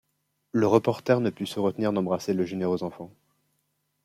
Le reporter ne put se retenir d’embrasser le généreux enfant.